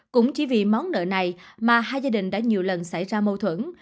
cũng chỉ vì món nợ này mà hai gia đình đã nhiều lần xảy ra mâu thuẫn